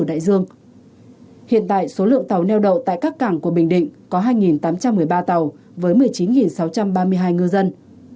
hiện tại số lượng tàu neo đậu tại các cảng của bình định có hai tám trăm một mươi ba tàu với một mươi chín sáu trăm ba mươi hai ngư dân